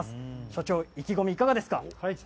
所長、意気込みいかがですか。